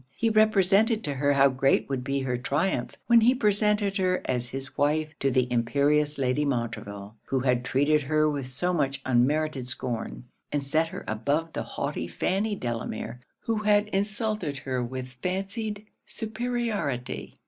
He represented to her how great would be her triumph when he presented her as his wife to the imperious Lady Montreville, who had treated her with so much unmerited scorn, and set her above the haughty Fanny Delamere, who had insulted her with fancied superiority.